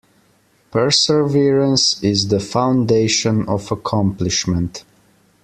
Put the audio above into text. Perseverance is the foundation of accomplishment.